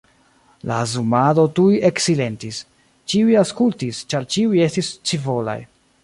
La zumado tuj eksilentis; ĉiuj aŭskultis, ĉar ĉiuj estis scivolaj.